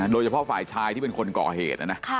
โดยเฉพาะฝ่ายชายที่เป็นคนก่อเหตุนะนะ